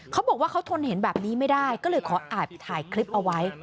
เขาบอกว่าเขาทนเห็นแบบนี้ไม่ได้ก็เลยขออาจถ่ายคลิปเอาไว้